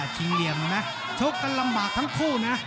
จริงเรียนนะชกกันลำบากทั้งคู่นะ